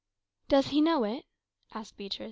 "Does he know it?" asked Beatriz.